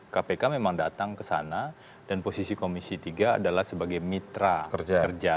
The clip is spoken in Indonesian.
kpk memang datang ke sana dan posisi komisi tiga adalah sebagai mitra kerja